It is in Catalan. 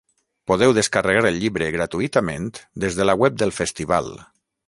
Podeu descarregar el llibre gratuïtament des de la web del festival.